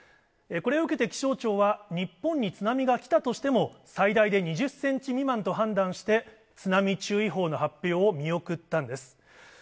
これを受けて気象庁は、日本に津波が来たとしても、最大で２０センチ未満と判断して、津波注意報の発表を見送ったんです。